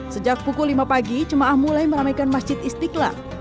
sejak pukul lima pagi jemaah mulai meramaikan masjid istiqlal